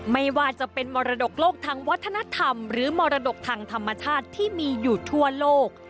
ไม่ว่าจะเป็นมรดกโลกทางวัฒนธรรมหรือมรดกทางธรรมชาติที่มีอยู่ทั่วโลก